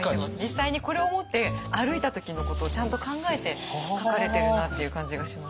実際にこれを持って歩いた時のことをちゃんと考えて描かれてるなっていう感じがします。